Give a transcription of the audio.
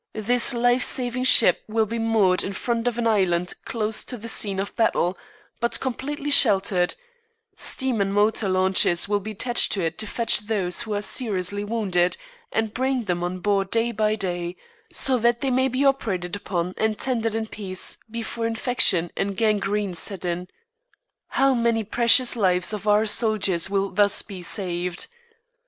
This life saving ship will be moored in front of an island close to the scene of battle, but completely sheltered; steam and motor launches will be attached to it to fetch those who are seriously wounded and bring them on board day by day, so that they may be operated upon and tended in peace before infection and gangrene set in. How many precious lives of our soldiers will thus be saved!